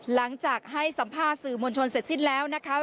หลังจากให้สัมภาษณ์สื่อมวลชนเสร็จสิ้นแล้วนะคะ